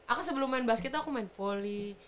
aku sebelum main basket tuh aku main volley